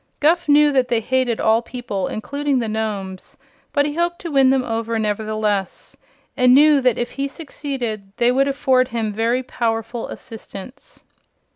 Guph knew that they hated all people, including the Nomes; but he hoped to win them over, nevertheless, and knew that if he succeeded they would afford him very powerful assistance.